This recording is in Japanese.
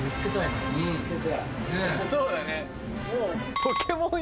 そうだね。